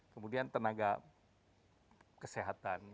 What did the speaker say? kemudian tenaga kesehatan